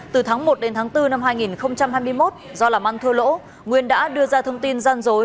từ tháng một đến tháng bốn năm hai nghìn hai mươi một do làm ăn thua lỗ nguyên đã đưa ra thông tin gian dối